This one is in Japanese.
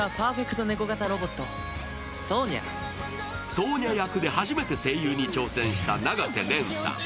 ソーニャ役で初めて声優に挑戦した永瀬廉さん。